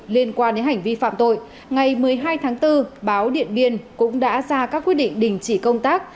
liên quan đến hành vi phạm tội ngày một mươi hai tháng bốn báo điện biên cũng đã ra các quyết định đình chỉ công tác